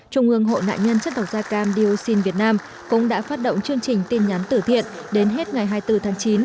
trung ương hộ nạn nhân chất độc da cam dioxin việt nam cũng đã phát động chương trình tin nhắn tử thiện đến hết ngày hai mươi bốn tháng chín